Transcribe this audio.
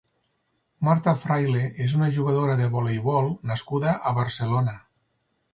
Marta Fraile és una jugadora de voleivol nascuda a Barcelona.